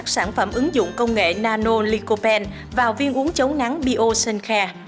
các sản phẩm này đã được ứng dụng công nghệ nano licopene vào viên uống chống nắng biosensecare